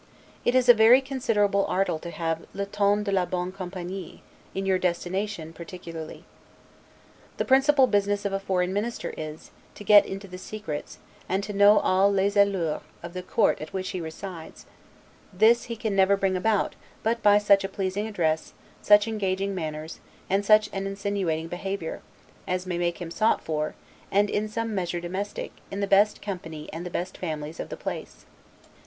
It is a very considerable article to have 'le ton de la bonne compagnie', in your destination particularly. The principal business of a foreign minister is, to get into the secrets, and to know all 'les allures' of the courts at which he resides; this he can never bring about but by such a pleasing address, such engaging manners, and such an insinuating behavior, as may make him sought for, and in some measure domestic, in the best company and the best families of the place.